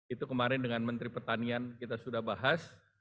itu kemarin dengan menteri pertanian kita sudah bahas